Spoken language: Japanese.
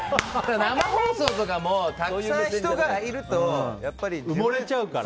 生放送とかもたくさん人がいるとやっぱり埋もれちゃうから。